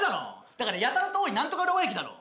だからやたらと多い何とか浦和駅だろ。